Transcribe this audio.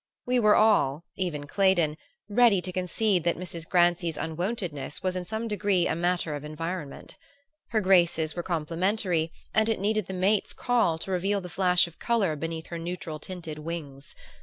We were all even Claydon ready to concede that Mrs. Grancy's unwontedness was in some degree a matter of environment. Her graces were complementary and it needed the mate's call to reveal the flash of color beneath her neutral tinted wings.